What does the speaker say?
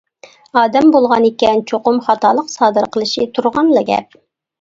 ئادەم بولغانكەن چوقۇم خاتالىق سادىر قىلىشى تۇرغانلا گەپ.